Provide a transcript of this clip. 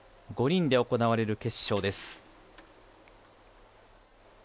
５人で行われる決勝です。